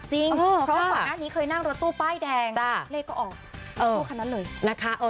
จริงเขาบอกว่านั้นนี้เคยนั่งรถตู้ป้ายแดงจ้ะเลขก็ออกเออ